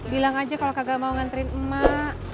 bilang aja kalau kagak mau nganterin emak